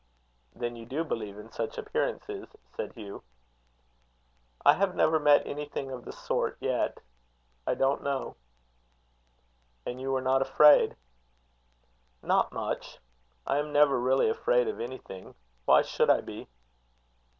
"Then you do believe in such appearances?" said Hugh. "I have never met anything of the sort yet. I don't know." "And you were not afraid?" "Not much. I am never really afraid of anything. Why should I be?"